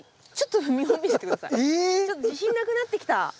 ちょっと自信なくなってきた。